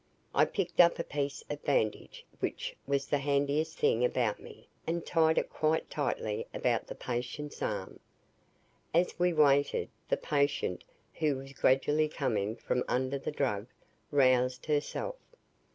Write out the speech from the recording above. I picked up a piece of bandage which was the handiest thing about me and tied it quite tightly about the patient's arm. As we waited, the patient, who was gradually coming from under the drug, roused herself.